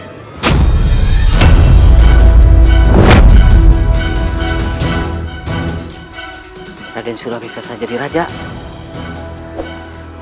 gusti profesor ujang kembal tidak akan bisa menjadi raja ini